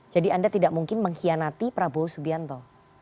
jadi anda tidak mungkin mengkhianati prabowo subianto